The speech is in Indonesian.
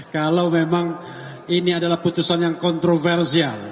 kalau memang ini adalah putusan yang kontroversial